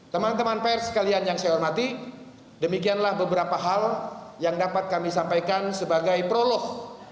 teman teman pers sekalian yang saya hormati demikianlah beberapa hal yang dapat kami sampaikan sebagai prolog